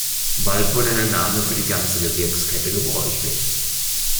Bald wurde der Name für die ganze Gebirgskette gebräuchlich.